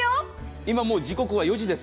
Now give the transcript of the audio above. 今、時刻は４時です。